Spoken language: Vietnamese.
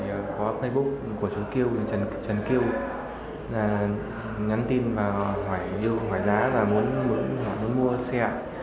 và sau đấy thì có facebook của chú kiêu trần kiêu nhắn tin vào hỏi yêu hỏi giá và muốn mua xe